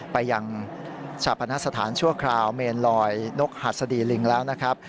ไปยังชาปนสถานชั่วคราวเมนลอยนกหัสดีลิงแล้วนะครับ